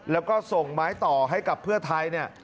แล้วก็ส่งไม้ต่อให้กับเทพฯเนี่ย